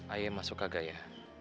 ayah masuk kagak ya